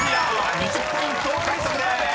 ２０ポイント獲得です］